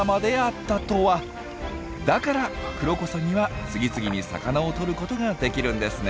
だからクロコサギは次々に魚をとることができるんですね。